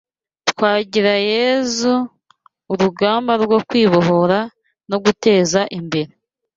TwagirayezuUrugamba rwo kwibohora no guteza imbere